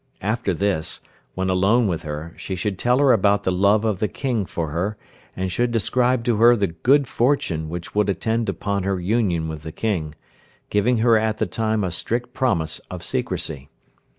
After this, when alone with her, she should tell her about the love of the King for her, and should describe to her the good fortune which would attend upon her union with the King, giving her at the time a strict promise of secrecy.